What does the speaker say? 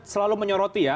selalu menyoroti ya